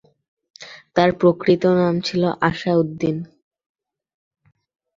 তার প্রকৃত নাম ছিল আসা উদ্দীন।